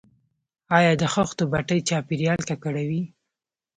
آیا د خښتو بټۍ چاپیریال ککړوي؟